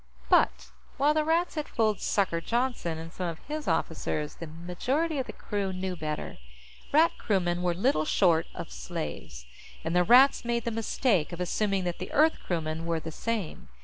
But, while the Rats had fooled "Sucker" Johnston and some of his officers, the majority of the crew knew better. Rat crewmen were little short of slaves, and the Rats made the mistake of assuming that the Earth crewmen were the same.